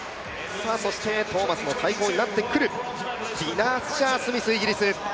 トーマスの対抗になってくるディナ・アッシャー・スミス、イギリス。